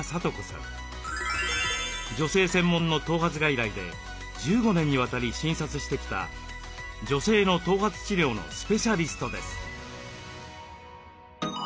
女性専門の頭髪外来で１５年にわたり診察してきた女性の頭髪治療のスペシャリストです。